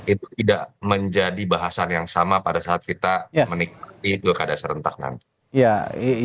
itu tidak menjadi bahasan yang sama pada saat kita menikmati pilkada serentak nanti